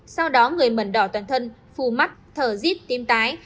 sau đó người mẩn đỏ toàn thân phù mắt thở dít tim tái